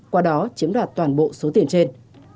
qua đó chiếm đạt toàn bộ số tiền trên